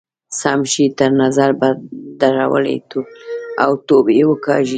سم شی تر نظر بد درولئ او توبې وکاږئ.